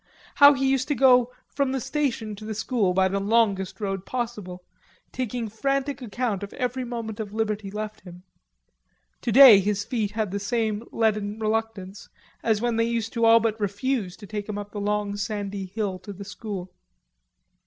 How he used to go from the station to the school by the longest road possible, taking frantic account of every moment of liberty left him. Today his feet had the same leaden reluctance as when they used to all but refuse to take him up the long sandy hill to the school.